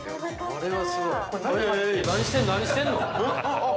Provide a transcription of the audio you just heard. ◆これはすごい。